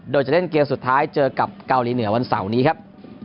โดยจะเล่นเกมสุดท้ายเจอกับเกาหลีเหนือวันเสาร์นี้ครับ